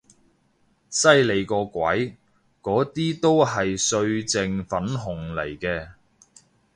犀利個鬼，嗰啲都係歲靜粉紅嚟嘅